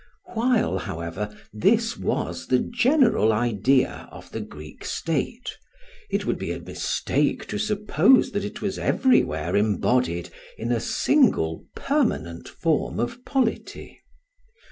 While, however, this was the general idea of the Greek state, it would be a mistake to suppose that it was everywhere embodied in a single permanent form of polity.